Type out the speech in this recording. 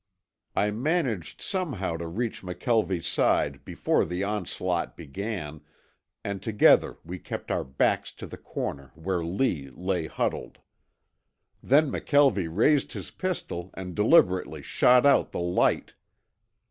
I managed somehow to reach McKelvie's side before the onslaught began, and together we kept our backs to the corner where Lee lay huddled. Then McKelvie raised his pistol and deliberately shot out the light.